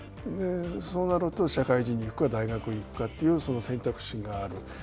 そうなると社会人に行くか、大学に行くかというその選択肢がある。